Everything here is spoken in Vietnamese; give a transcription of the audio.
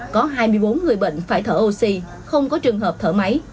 có hai mươi bốn người bệnh phải thở oxy không có trường hợp thở máy